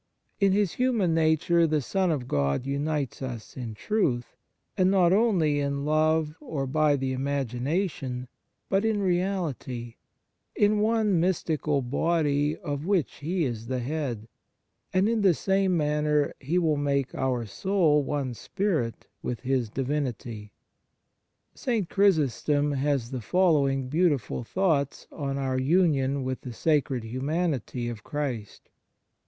In His human nature the Son of God unites us in truth, and not only in love, or by the imagina tion, but in reality, in one mystical body of which He is the Head ; and in the same manner He will make our soul one spirit with His Divinity. St. Chrysostom has the following beauti ful thoughts on our union with the sacred humanity of Christ.